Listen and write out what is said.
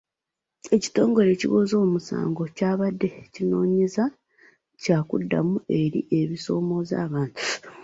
Ekitongole ekiwooza omusolo kyabadde kinoonya kyakuddamu eri ebisoomooza abantu.